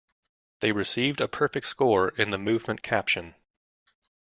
They received a Perfect Score in the Movement Caption.